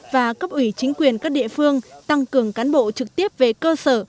và cấp ủy chính quyền các địa phương tăng cường cán bộ trực tiếp về cơ sở